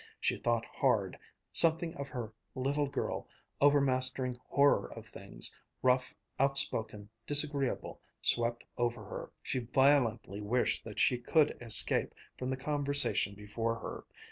She thought hard. Something of her little girl, overmastering horror of things, rough, outspoken, disagreeable, swept over her. She violently wished that she could escape from the conversation before her.